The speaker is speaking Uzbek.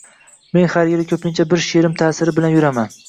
– Men har yili, ko‘pincha bir she’rim ta’siri bilan yuraman.